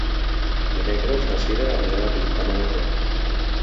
Dimecres na Cira anirà a visitar mon oncle.